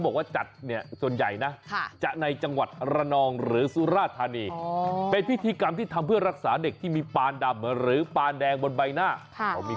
แบบนี้เหมือนเป็นการปัดเป่าสิ่งที่ไม่ดี